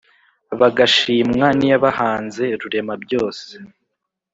bagashimwa n’iyabahanze rurema byose